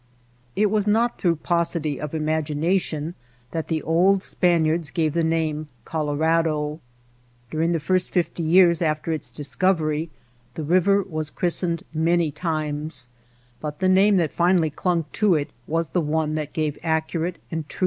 It was not through paucity of imagination that the old Spaniards gave the name — Col orado.* During the first fifty years after its discovery the river was christened many times, but the name that finally clung to it was the one that gave accurate and truthful description.